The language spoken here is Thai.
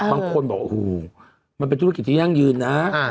บางคนบอกโอ้โหมันเป็นธุรกิจที่ยั่งยืนนะ